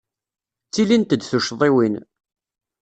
Ttilint-d tuccḍiwin.